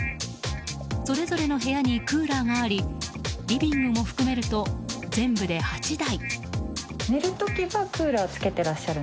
それぞれの部屋にクーラーがありリビングも含めると、全部で８台。